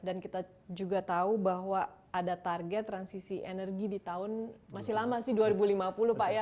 dan kita juga tahu bahwa ada target transisi energi di tahun masih lama sih dua ribu lima puluh pak ya